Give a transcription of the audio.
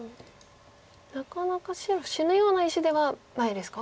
なかなか白死ぬような石ではないですか？